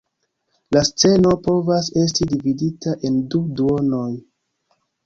La sceno povas esti dividita en du duonoj.